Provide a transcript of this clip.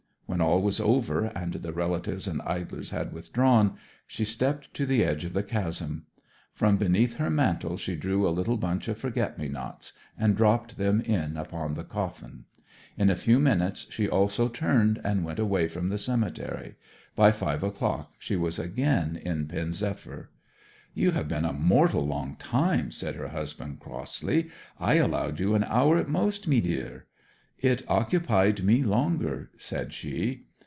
When all was over, and the relatives and idlers had withdrawn, she stepped to the edge of the chasm. From beneath her mantle she drew a little bunch of forget me nots, and dropped them in upon the coffin. In a few minutes she also turned and went away from the cemetery. By five o'clock she was again in Pen zephyr. 'You have been a mortal long time!' said her husband, crossly. 'I allowed you an hour at most, mee deer.' 'It occupied me longer,' said she.